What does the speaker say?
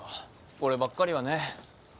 こればっかりはね。